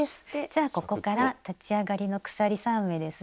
じゃあここから立ち上がりの鎖３目ですね。